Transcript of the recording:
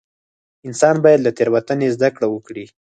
انسان باید له تېروتنې زده کړه وکړي.